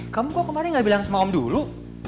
kamu kok kemarin gak bilang sema om dulu